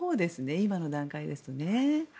今の段階ですと。